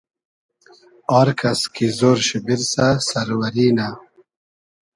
آر کئس کی زۉر شی بیرسۂ سئروئری نۂ